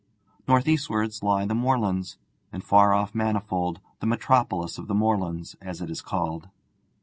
North eastwards lie the moorlands, and far off Manifold, the 'metropolis of the moorlands,' as it is called.